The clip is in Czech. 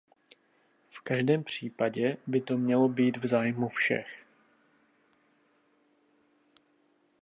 V každém případě by to mělo být v zájmu všech.